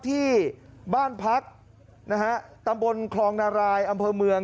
ที่บ้านพักนะฮะตำบลคลองนารายอำเภอเมือง